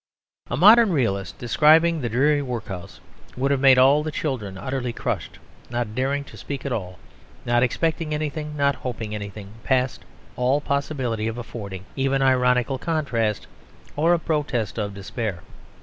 A modern realist describing the dreary workhouse would have made all the children utterly crushed, not daring to speak at all, not expecting anything, not hoping anything, past all possibility of affording even an ironical contrast or a protest of despair.